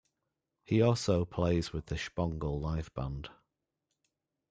He also plays with the Shpongle Live Band.